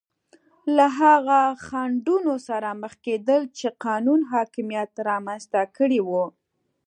له هغو خنډونو سره مخ کېدل چې قانون حاکمیت رامنځته کړي وو.